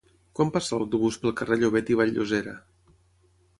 Quan passa l'autobús pel carrer Llobet i Vall-llosera?